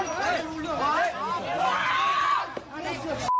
ใช่